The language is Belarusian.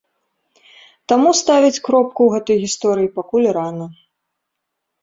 Таму ставіць кропку ў гэтай гісторыі пакуль рана.